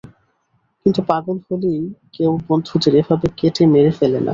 কিন্তু পাগল হলেই কেউ, বন্ধুদের এভাবে কেটে মেরে ফেলে না।